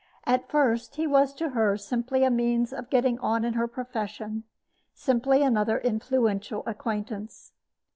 At first he was to her simply a means of getting on in her profession simply another influential acquaintance.